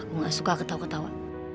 aku gak suka ketawa ketawa